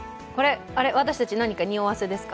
私たち、何かにおわせですか？